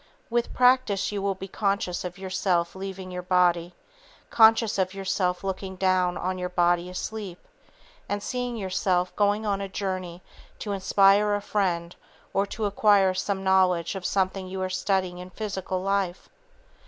With practice, you will be conscious of yourself leaving your body, conscious of yourself looking down on your body asleep, and seeing yourself going on a journey to inspire a friend or to acquire some knowledge of something you are studying in physical life.